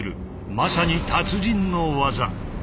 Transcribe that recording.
まさに達人の技。